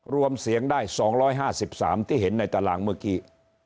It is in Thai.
รวมเสียงได้๒๕๓ที่เห็นในตารางเมื่อกี้